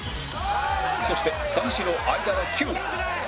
そして三四郎相田が９位